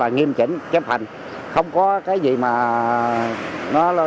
nhiệm chỉnh chạy không có chạy quá chắc